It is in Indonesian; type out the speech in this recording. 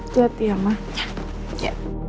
lihat ya mbak